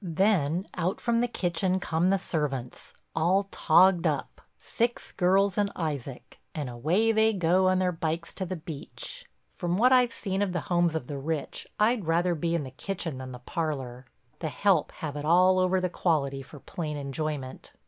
Then out from the kitchen come the servants, all togged up, six girls and Isaac, and away they go on their bikes to the beach. From what I've seen of the homes of the rich I'd rather be in the kitchen than the parlor—the help have it all over the quality for plain enjoyment.